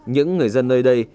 những người dân nơi đây